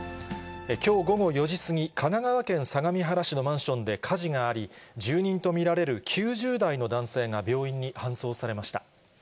きょう午後４時過ぎ、神奈川県相模原市のマンションで火事があり、住人と見られる９０代の男性が病院に搬送されました。